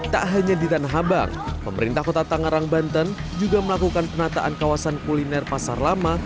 tak hanya di tanah abang pemerintah kota tangerang banten juga melakukan penataan kawasan kuliner pasar lama